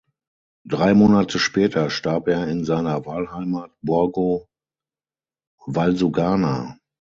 Drei Monate später starb er in seiner Wahlheimat Borgo Valsugana.